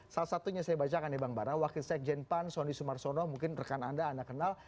salah satunya saya bacakan ya bang bara wakil sekjen pan sonny sumarsono mungkin rekan anda anda kenal